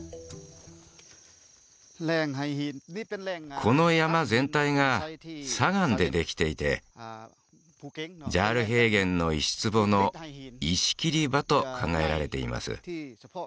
この山全体が砂岩でできていてジャール平原の石壺の石切り場と考えられています